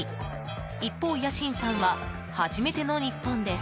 一方、ヤシンさんは初めての日本です。